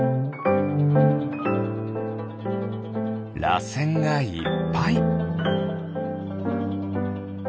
らせんがいっぱい。